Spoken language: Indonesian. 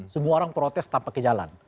semua orang protes tanpa kejalan